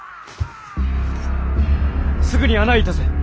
すぐに案内いたせ！